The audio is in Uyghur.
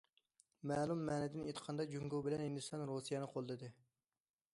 مەلۇم مەنىدىن ئېيتقاندا، جۇڭگو بىلەن ھىندىستان رۇسىيەنى قوللىدى.